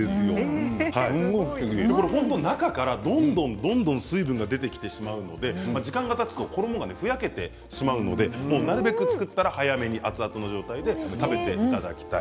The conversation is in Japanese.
中からどんどんどんどん水分が出てきてしまうので時間がたつと衣がふやけてしまうのでなるべく作ったら熱々の状態で食べていただきたい。